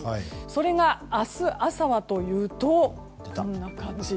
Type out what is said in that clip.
それが明日朝はというとこんな感じ。